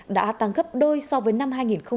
đã tăng gấp đôi so với năm hai nghìn một mươi tám